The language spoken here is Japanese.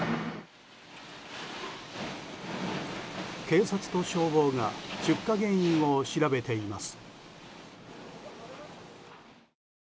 警察と消防が出火原因を調べています。